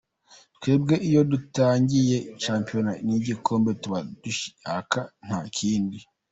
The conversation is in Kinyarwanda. Twebwe iyo dutangiye shampiyona ni igikombe tuba dushaka nta kindi.